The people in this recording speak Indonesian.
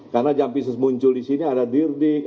karena jampisus muncul disini ada dirdik